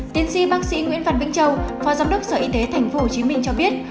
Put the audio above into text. tiến sĩ bác sĩ nguyễn văn vĩnh châu phó giám đốc sở y tế tp hcm cho biết